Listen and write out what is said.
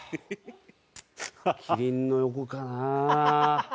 キリンの横かな。